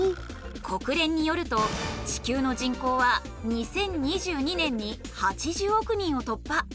国連によると地球の人口は２０２２年に８０億人を突破。